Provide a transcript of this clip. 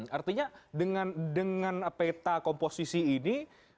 artinya dengan peta komposisi ini